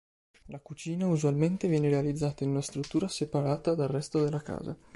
La cucina, usualmente, viene realizzata in una struttura separate dal resto della casa.